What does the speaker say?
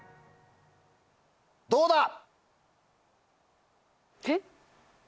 どうだ？えっ。